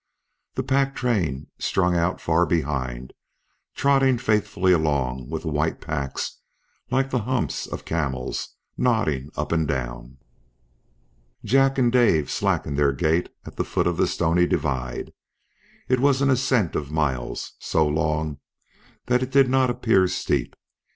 The pack train strung out far behind, trotting faithfully along, with the white packs, like the humps of camels, nodding up and down. Jack and Dave slackened their gait at the foot of the stony divide. It was an ascent of miles, so long that it did not appear steep.